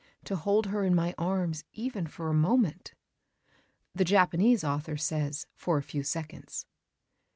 to hold her in my arms even for a moment!" (The Japanese author says "for a few seconds.")